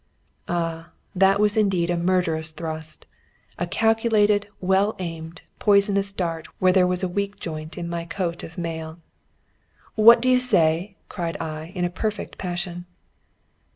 Ah, that was indeed a murderous thrust! A calculated, well aimed, poisonous dart where there was a weak joint in my coat of mail. "What do you say?" cried I, in a perfect passion.